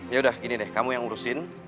ya udah ini deh kamu yang ngurusin